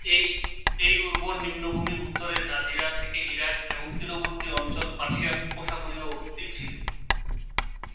এই উর্বর নিম্নভূমি উত্তরে জাজিরা থেকে ইরাক এবং তীরবর্তী অঞ্চল পার্সিয়ান উপসাগরীয় অবধি ছিল।